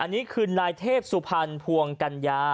อนี่คือนายธสุพันธ์ภวงกัญญา